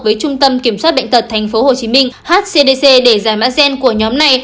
với trung tâm kiểm soát bệnh tật tp hcm hcdc để giải mã gen của nhóm này